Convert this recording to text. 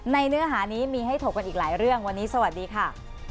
เนื้อหานี้มีให้ถกกันอีกหลายเรื่องวันนี้สวัสดีค่ะ